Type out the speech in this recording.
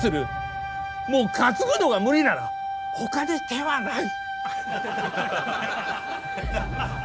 もう担ぐのが無理ならほかに手はない。